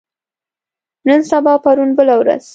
نن سبا پرون بله ورځ